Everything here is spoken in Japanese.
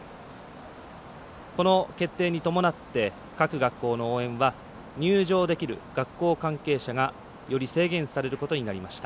この決定に伴って各学校の応援は入場できる学校関係者がより制限されることになりました。